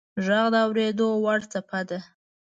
• ږغ د اورېدو وړ څپه ده.